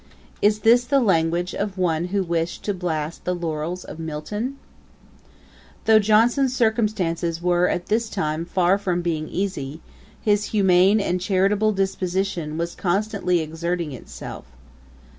Is this the language of one who wished to blast the laurels of Milton? [Page 232: Mrs. Anna Williams. A.D. 1751.] Though Johnson's circumstances were at this time far from being easy, his humane and charitable disposition was constantly exerting itself.